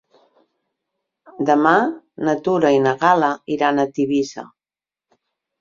Demà na Tura i na Gal·la iran a Tivissa.